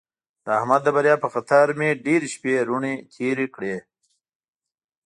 د احمد د بریا په خطر مې ډېرې شپې رڼې تېرې کړې.